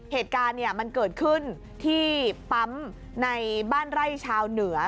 เหตุการณ์มันเกิดขึ้นที่ปั๊มในบ้านไร่ชาวเหนือ